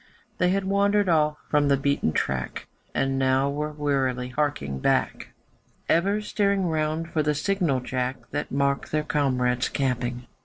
They had wandered off from the beaten track And now were wearily harking back, Ever staring round for the signal jack That marked their comrades camping.